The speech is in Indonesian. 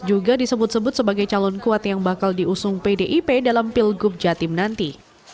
juga disebut sebut sebagai calon kuat yang bakal diusung pdip dalam pilgub jatim nanti